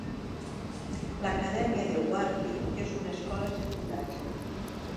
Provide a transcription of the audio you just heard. L'Acadèmia Wardle és una escola secundària.